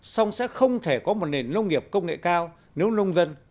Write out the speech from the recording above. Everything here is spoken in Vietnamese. song sẽ không thể có một nền nông nghiệp công nghệ cao nếu nông dân